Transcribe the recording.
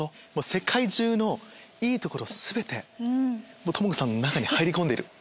世界中のいいところ全て智子さんの中に入り込んでいる。